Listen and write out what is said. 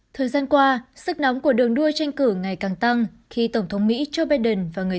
thời gian qua sức nóng của đường đua tranh cử ngày càng tăng khi tổng thống mỹ joe biden và người